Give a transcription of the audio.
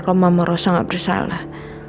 kalau mama rosso gak bersalah